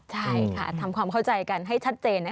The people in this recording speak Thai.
ใช่ค่ะทำความเข้าใจกันให้ชัดเจน